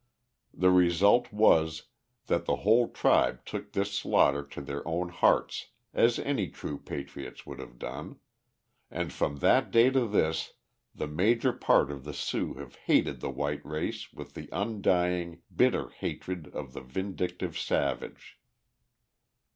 The result was, that the whole tribe took this slaughter to their own hearts, as any true patriots would have done, and from that day to this the major part of the Sioux have hated the white race with the undying, bitter hatred of the vindictive savage.